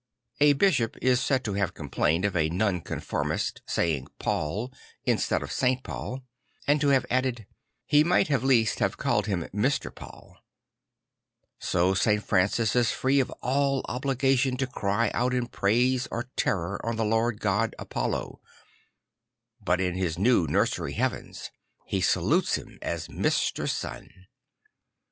A bishop is said to have complained of a Nonconformist saying Paul instead of Saint Pa ul ; and to have a dded II He might at least have called him Mr. Paul." So St. Francis is free of all obligation to cry out in praise or terror on the Lord God Apollo, but in his new nursery heavens, he salutes him as Mr. Sun.